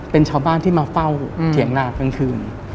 เป็นชาวบ้านที่มาเฝ้าเถียงนากลางคืน